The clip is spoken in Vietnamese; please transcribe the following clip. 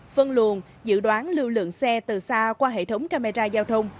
phân luồn dự đoán lưu lượng xe từ xa qua hệ thống camera giao thông